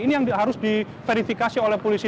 ini yang harus diverifikasi oleh polisi